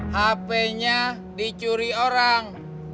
hape nya dicuri orang